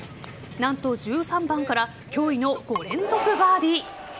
何と１３番から驚異の５連続バーディー。